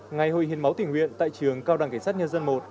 ngày hồi hiên máu tình nguyện tại trường cao đẳng cảnh sát nhân dân một